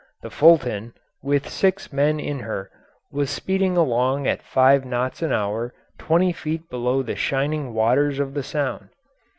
The Fulton, with six men in her, was speeding along at five knots an hour twenty feet below the shining waters of the Sound.